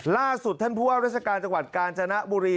ล่าสุดท่านผู้ว่าราชการจังหวัดกาญจนบุรี